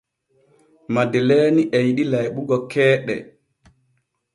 Madeleeni e yiɗi layɓugo keeɗe.